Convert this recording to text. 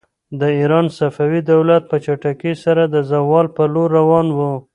د ایران صفوي دولت په چټکۍ سره د زوال پر لور روان و.